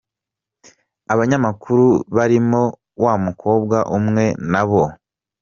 Abanyamakuru barimo wa mukobwa umwe na bo….